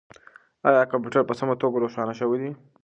آیا کمپیوټر په سمه توګه روښانه شوی دی؟